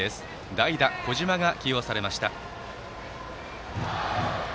代打、小島が起用されました。